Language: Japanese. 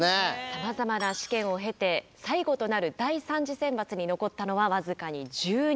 さまざまな試験を経て最後となる第３次選抜に残ったのは僅かに１０人。